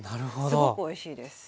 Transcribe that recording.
すごくおいしいです。